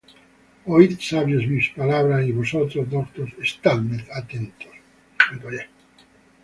Oid, sabios, mis palabras; Y vosotros, doctos, estadme atentos.